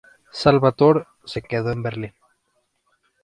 Salvatore se quedó en Berlín.